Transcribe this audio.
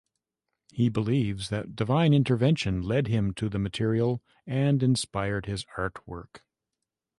He believes that divine intervention led him to the material and inspired his artwork.